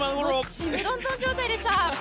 ちむどんどん状態でした。